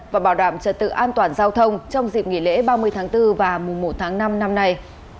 và bảo đảm trật tự an toàn giao thông trong dịp nghỉ lễ ba mươi tháng bốn và mùa một tháng năm năm nay